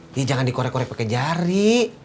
ini jangan dikorek korek pakai jari